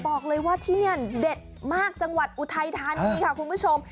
บอกเลยว่าที่นี่เด็ดมากจังหวัดอุทัยธานีค่ะคุณผู้ชม